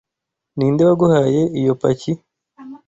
Ninde waguhaye iyo paki? ?